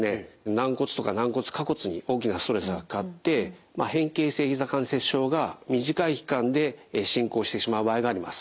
軟骨とか軟骨下骨に大きなストレスがかかって変形性ひざ関節症が短い期間で進行してしまう場合があります。